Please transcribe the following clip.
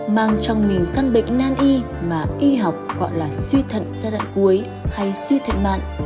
mang trong nghìn căn bệnh nan y mà y học gọi là suy thận giai đoạn cuối hay suy thận mạng